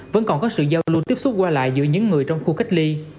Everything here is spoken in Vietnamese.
vẫn còn có sự giao lưu tiếp xúc qua lại giữa những người trong khu cách ly